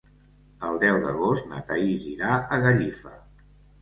El deu d'agost na Thaís irà a Gallifa.